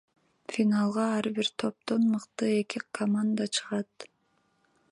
Финалга ар бир топтон мыкты эки команда чыгат.